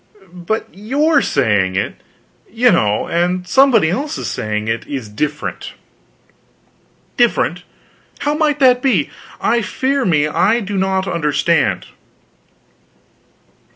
"But your saying it, you know, and somebody else's saying it, is different." "Different? How might that be? I fear me I do not understand."